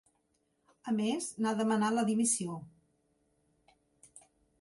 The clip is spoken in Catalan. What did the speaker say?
A més, n’ha demanat la dimissió.